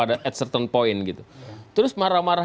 at certain point gitu terus marah marah